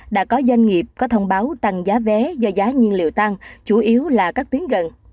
đã có doanh nghiệp có thông báo tăng giá vé do giá nhiên liệu tăng chủ yếu là các tuyến gần